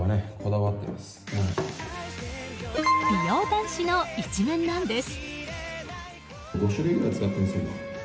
美容男子の一面なんです。